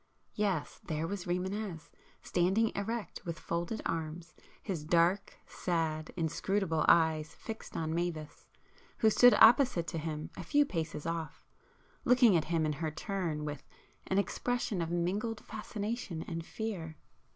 Yes, there was Rimânez,—standing erect with folded arms, his dark, sad, inscrutable eyes fixed on Mavis, who stood opposite to him a few paces off, looking at him in her turn with an expression of mingled fascination and fear.